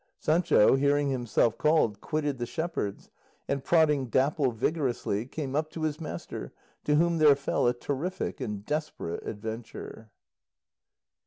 Sancho, hearing himself called, quitted the shepherds, and, prodding Dapple vigorously, came up to his master, to whom there fell a terrific and desperate adventure.